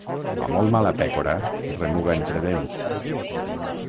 La molt mala pècora, remuga entre dents.